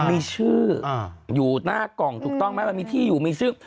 มีชื่ออยู่หน้ากล่องถูกต้องไหมมันมีที่อยู่มีชื่อ